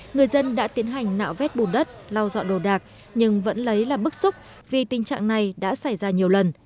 người dân đã tiến hành nạo vét bùn đất lau dọn đồ đạc nhưng vẫn lấy là bức xúc vì tình trạng này đã xảy ra nhiều lần